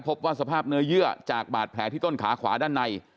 พบว่าสภาพเนื้อเยื่อจากบาดแผลที่ต้นขาขวาด้านใน